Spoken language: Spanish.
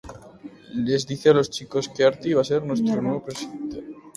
Les dice a los chicos que Artie va a ser su nuevo vicepresidente.